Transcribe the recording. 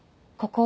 ここ。